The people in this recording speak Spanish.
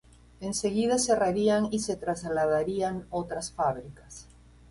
Enseguida cerrarían y se trasladarían otras fábricas.